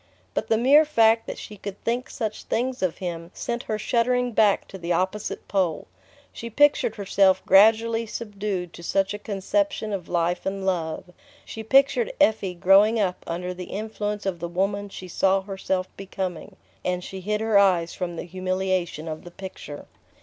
But the mere fact that she could think such things of him sent her shuddering back to the opposite pole. She pictured herself gradually subdued to such a conception of life and love, she pictured Effie growing up under the influence of the woman she saw herself becoming and she hid her eyes from the humiliation of the picture...